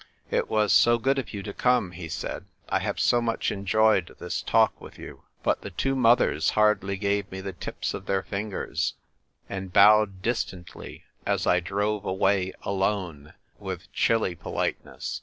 "It was so good of you to come," he said. " I have so much enjoyed this talk with you." But the two mothers hardly gave me the tips of their fingers, and bowed distantly A DRAWN BATTLE. 1 93 as I drove away alone, with chilly polite ness.